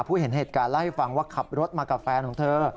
เห็นเหตุการณ์เล่าให้ฟังว่าขับรถมากับแฟนของเธอ